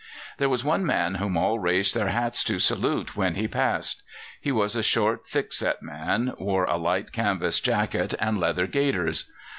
There was one man whom all raised their hats to salute when he passed. He was a short, thick set man, wore a light canvas jacket and leather gaiters.